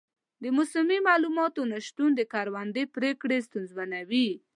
د موسمي معلوماتو نه شتون د کروندې پریکړې ستونزمنوي.